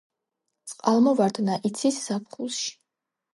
წყალმოვარდნა იცის ზაფხულში.